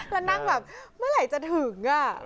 แล้วนั่งแบบเมื่อไหร่จะถึง